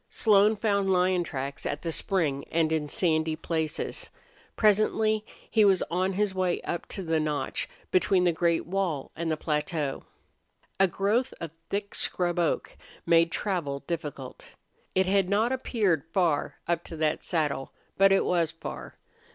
Slone found lion tracks at the spring and in sandy places. Presently he was on his way up to the notch between the great wall and the plateau. A growth of thick scrub oak made travel difficult. It had not appeared far up to that saddle, but it was far.